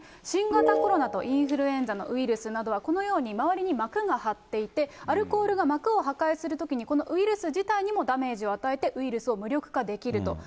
新型コロナとインフルエンザのウイルスなどはこのように周りに膜が張っていて、アルコールが膜を破壊するときに、このウイルス自体にもダメージを与えて、ウイルスを無力化できると。